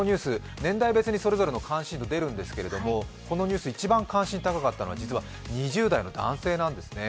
年代別にそれぞれの関心度が出るんですがこのニュース一番関心が高かったのは、２０代の男性なんですね。